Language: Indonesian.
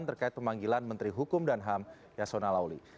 terkait pemanggilan menteri hukum dan ham yasona lawli